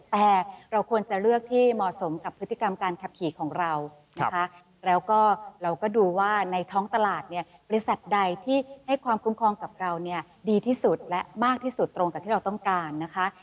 แต่เราควรจะเลือกที่เหมาะสมกับพฤติกรรมการขับขี่ของเรานะคะแล้วก็เราก็ดูว่าในท้องตลาดเนี่ยบริษัทใดที่ให้ความคุ้มครองกับเราเนี่ยดีที่สุดและมากที่สุดตรงกับที่เราต้องการนะคะ